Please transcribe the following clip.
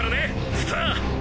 スター！